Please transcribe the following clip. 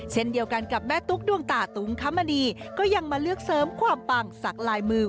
เช่นเดียวกันกับแม่ตุ๊กดวงตาตุงคมณีก็ยังมาเลือกเสริมความปังสักลายมือ